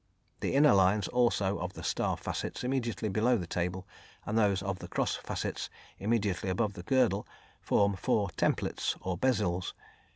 The inner lines also of the star facets immediately below the table and those of the cross facets immediately above the girdle form four "templets," or "bezils."